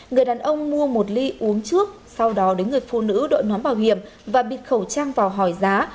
người đàn ông mua một ly uống trước sau đó đến người phụ nữ đội nón bảo hiểm và bịt khẩu trang vào hỏi giá